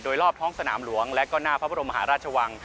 โดยรอบท้องสนามหลวงและก็หน้าพระบรมมหาราชวัง